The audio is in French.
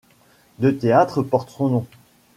Deux théâtres portent son nom.